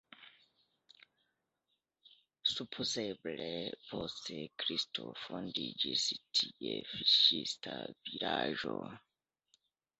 Supozeble post Kristo fondiĝis tie fiŝista vilaĝo.